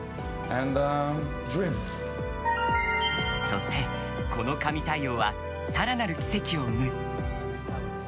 そして、この神対応は更なる奇跡を生む。